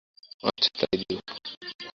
আচ্ছা, তাই দিও।